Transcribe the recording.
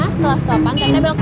setelah stopan tete belokin